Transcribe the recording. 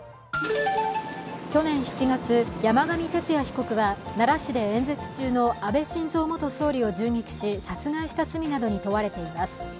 去年７月、山上徹也被告は、奈良市で演説中の安倍晋三元総理を銃撃し殺害した罪などに問われています。